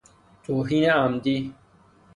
توهین عمدی